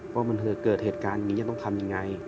ว่ามันเกิดเหตุการณ์อย่างนี้จะต้องทำยังไง